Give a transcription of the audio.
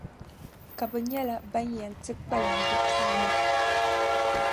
Ka bɛ nyɛla ban yɛn ti kpalim di puuni.